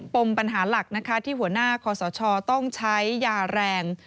ปมปัญหาหลักนะคะที่หัวหน้าคอสชต้องใช้ยาแรง